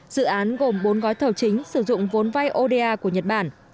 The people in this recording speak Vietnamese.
dự án gồm bốn gói thầu chính sử dụng vốn vay oda của nhật bản